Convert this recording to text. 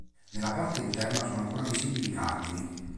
Nella parte interna sono ancora visibili i cardini.